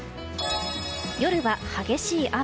夜は激しい雨。